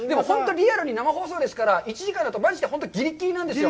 リアルに生放送ですから、１時間だとマジでぎりぎりなんですよ。